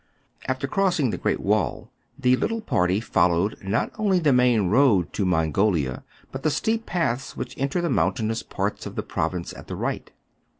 After crossing the Great Wall, the little party followed, not only the main road to Mongolia, but the steep paths which enter the mountainous part of the pro^dnce at the right.